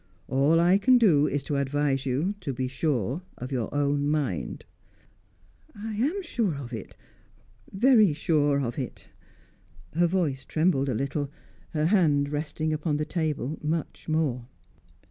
All I can do is to advise you to be sure of your own mind." "I am sure of it very sure of it!" Her voice trembled a little; her hand, resting upon the table, much more.